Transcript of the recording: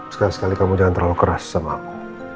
sekali sekali kamu jangan terlalu keras sama aku